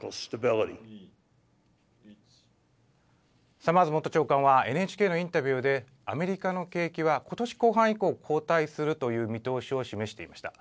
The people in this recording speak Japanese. サマーズ元長官はＮＨＫのインタビューでアメリカの景気は今年後半以降後退するという見通しを示していました。